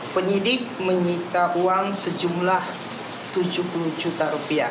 penyidik menyita uang sejumlah rp tujuh puluh juta rupiah